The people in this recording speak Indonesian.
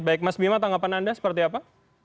baik mas bima tanggapan anda seperti apa